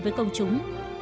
với công chúng